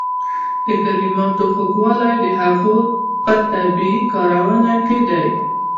د کلماتو خوږوالی د هغوی په طبیعي کارونه کې دی.